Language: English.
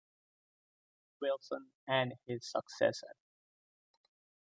Wilson and his successors.